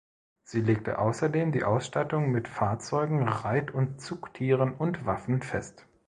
Sie legte außerdem die Ausstattung mit Fahrzeugen, Reit- und Zugtieren und Waffen fest.